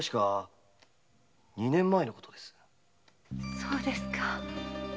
〔そうですか。